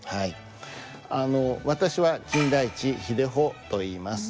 あの私は金田一秀穂といいます。